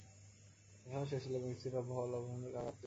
মিষ্টান্ন শেষ হইল এবং স্ত্রীসভ্য লওয়া সম্বন্ধে কাহারো আপত্তি হইল না।